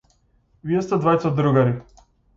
Вие сте двајца другари.